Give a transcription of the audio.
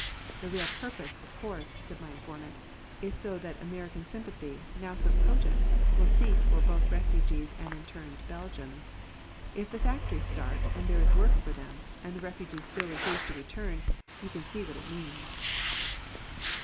"The real purpose, of course," said my informant, "is so that American sympathy, now so potent, will cease for both refugees and interned Belgians. If the factories start, and there is work for them, and the refugees still refuse to return, you can see what it means."